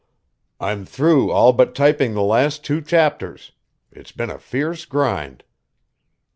"I'm through all but typing the last two chapters. It's been a fierce grind."